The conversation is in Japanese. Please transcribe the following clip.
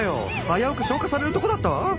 あやうく消化されるとこだったわ。